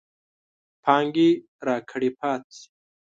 پانګې راکدې پاتې شي.